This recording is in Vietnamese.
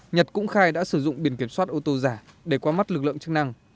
nhật cũng khai đã sử dụng biển kiểm soát ô tô giả để qua mắt lực lượng chức năng